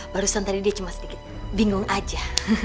barusan tadi dia cuma sedikit bingung aja